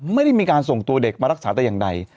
ไม่ได้มีการส่งตัวเด็กมารักษาแต่อย่างใด